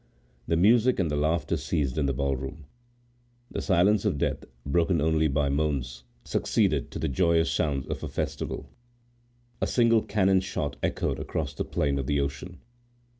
The music and the laughter ceased in the ballroom. The silence of death, broken only by moans, succeeded to the joyous sounds of a festival. A single cannon shot echoed along the plain of the ocean.